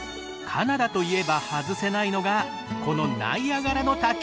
カナダといえば外せないのがこのナイアガラの滝。